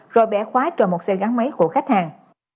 rồi bẻ khóa chờ một xe gắn máy của khách hàng